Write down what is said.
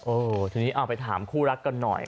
ทีนี้เอาไปถามคู่รักกันหน่อย